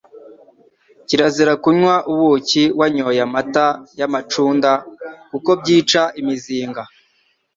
Kirazira kunywa ubuki wanyoye amata y’amacunda, kuko byica imizinga